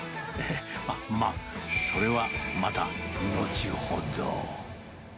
まあ、まあ、それはまた後ほど。